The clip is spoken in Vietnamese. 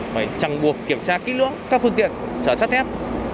phải chẳng buộc kiểm tra kỹ lưỡng các phương tiện trở sát thép